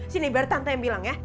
sini biar tante yang bilang ya